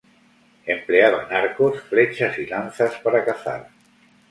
Empleaban arcos, flechas y lanzas para cazar.